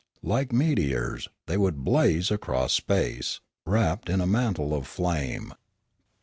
Like meteors, they would blaze across space, wrapped in a mantle of flame.